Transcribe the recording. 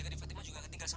kenapa masih nanti malam